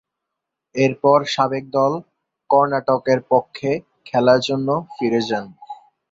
এরপর সাবেক দল কর্ণাটকের পক্ষে খেলার জন্য ফিরে যান।